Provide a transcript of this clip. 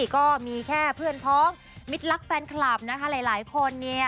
ก็มีแค่เพื่อนพ้องมิดรักแฟนคลับนะคะหลายคนเนี่ย